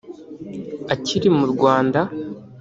Akiri mu Rwanda